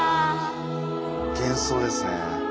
幻想ですね。